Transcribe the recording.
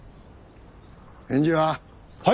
返事は？